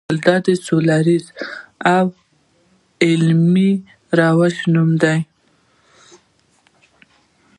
بلکې د سولیز او علمي روش نوم دی.